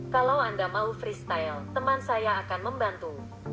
kalau anda mau freestyle teman saya akan membantu